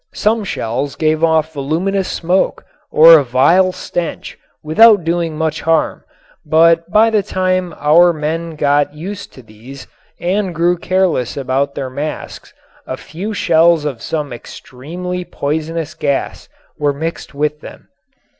Some shells gave off voluminous smoke or a vile stench without doing much harm, but by the time our men got used to these and grew careless about their masks a few shells of some extremely poisonous gas were mixed with them.